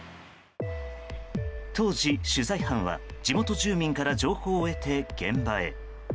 当時、取材班は地元住民から情報を得て現場へ。